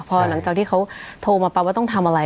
พอหลังจากที่เขาโทรมากว่า